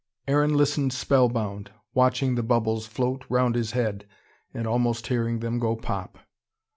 Aaron listened spell bound, watching the bubbles float round his head, and almost hearing them go pop.